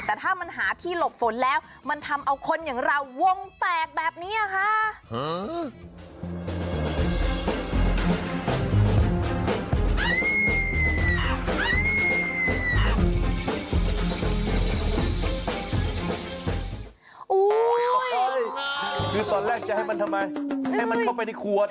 แต่ถ้ามันหาที่หลบฝนแล้วมันทำเอาคนอย่างเราวงแตกแบบนี้ค่ะ